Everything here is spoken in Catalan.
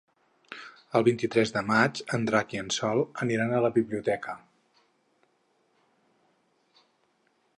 El vint-i-tres de maig en Drac i en Sol aniran a la biblioteca.